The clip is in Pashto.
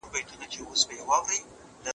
د آزادي نړۍ دغه کرامت دی